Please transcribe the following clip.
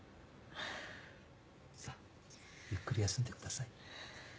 さあゆっくり休んでください。